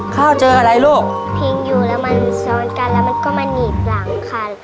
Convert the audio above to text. ข้าวเจออะไรลูกทิ้งอยู่แล้วมันซ้อนกันแล้วมันก็มาหนีบหลังค่ะ